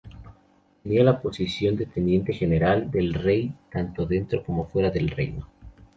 Tenía la posición de teniente general del rey tanto dentro como fuera del reino.